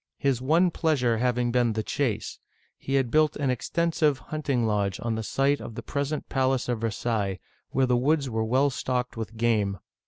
His one pleasure having been the chase, he had built an extensive hunting lodge on the site of the present palace of Versailles (vSr sa'y'), where the woods were well stocked with game.